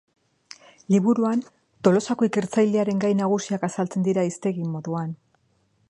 Liburuan Tolosako ikertzailearen gai nagusiak azaltzen dira hiztegi moduan.